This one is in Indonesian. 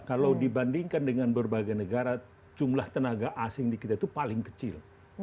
kalau dibandingkan dengan berbagai negara jumlah tenaga asing di kita itu paling kecil